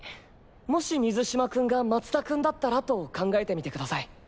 もし水嶋君が松田君だったらと考えてみてください。